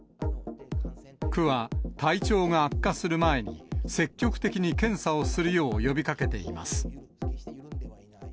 区は、体調が悪化する前に、積極的に検査をするよう呼びかけています。